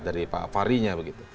jadi pak farinya begitu